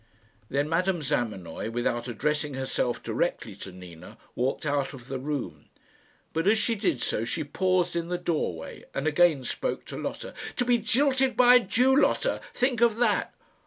Then Madame Zamenoy, without addressing herself directly to Nina, walked out of the room; but as she did so she paused in the doorway, and again spoke to Lotta. "To be jilted by a Jew, Lotta! Think of that."